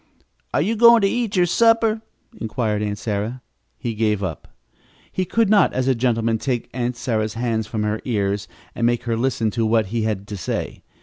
"Are you going to eat your supper?" inquired Aunt Sarah. He gave up. He could not, as a gentleman, take Aunt Sarah's hands from her ears and make her listen to what he had to say.